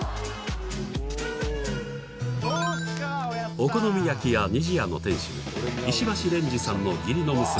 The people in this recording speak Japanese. お好み焼き屋にじやの店主石橋蓮司さんの義理の娘